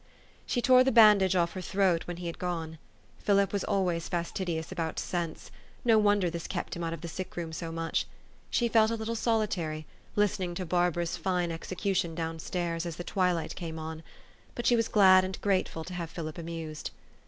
333 She tore the bandage off her throat when he had gone. Philip was always fastidious about scents ; no wonder this kept him out of the sick room so much. She felt a little solitary, listening to Barbara's fine execution down stairs, as the twilight came on. But she was glad and grateful to have Philip amused.